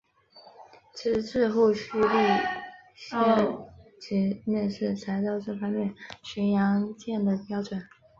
直至后续丽蝇级的面世才在这方面符合巡洋舰的标准。